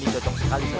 ini cocok sekali sal